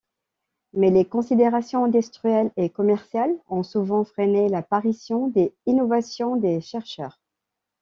Mais les considérations industrielles et commerciales ont souvent freiné l'apparition des innovations des chercheurs.